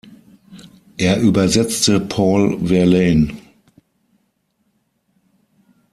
Er übersetzte Paul Verlaine.